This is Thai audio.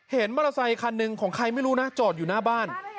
มอเตอร์ไซคันหนึ่งของใครไม่รู้นะจอดอยู่หน้าบ้าน